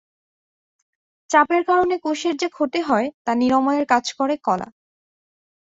চাপের কারণে কোষের যে ক্ষতি হয়, তা নিরাময়ের কাজ করে কলা।